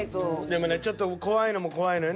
でもねちょっと怖いのも怖いのよね。